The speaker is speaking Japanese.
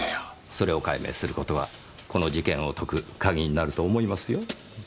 それを解明する事はこの事件を解く鍵になると思いますよ。